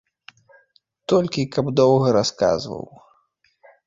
Толькі каб доўга расказваў.